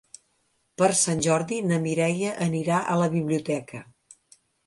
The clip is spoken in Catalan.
Per Sant Jordi na Mireia irà a la biblioteca.